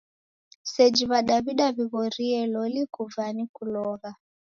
Seji W'adaw'ida w'ighorie loli kuva ni kulogha.